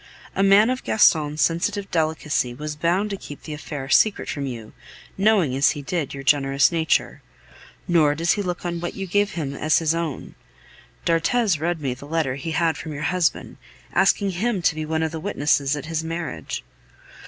A man of Gaston's sensitive delicacy was bound to keep the affair secret from you, knowing as he did, your generous nature. Nor does he look on what you give him as his own. D'Arthez read me the letter he had from your husband, asking him to be one of the witnesses at his marriage.